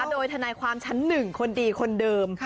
โดยทนายความชั้น๑คนดีคนเดิม